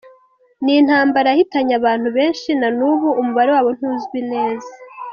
Ni intambara yahitanye abantu benshi, na n’ubu umubare wabo ntuzwi neza.